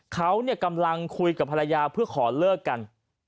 เขากำลังคุยกับภรรยาเพื่อขอเลิกกัน